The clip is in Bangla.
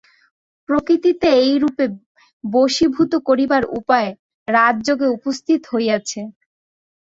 প্রকৃতিকে এইরূপে বশীভূত করিবার উপায় রাজযোগে উপস্থাপিত হইয়াছে।